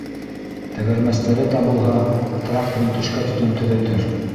Тәгәрмәстәре табылһа, тракторын төшкә тиклем төҙәтер.